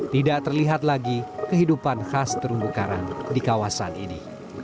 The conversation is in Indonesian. tidak terlihat lagi kehidupan khas terumbu karang di kawasan ini